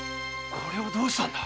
これをどうしたんだ